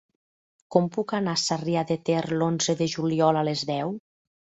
Com puc anar a Sarrià de Ter l'onze de juliol a les deu?